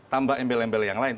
tambah embel embel yang lain